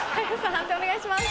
判定お願いします。